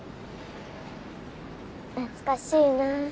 懐かしいな。